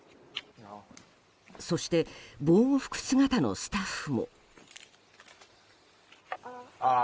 そして、防護服姿のスタッフも。